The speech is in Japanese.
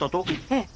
ええ。